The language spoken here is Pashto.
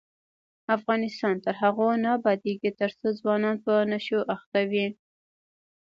افغانستان تر هغو نه ابادیږي، ترڅو ځوانان په نشو اخته وي.